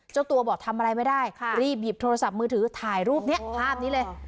เจ้าตัวบอกทำอะไรไม่ได้รีบหยิบโทรศัพท์มือถือถ่ายรูปนี้ภาพนี้เลย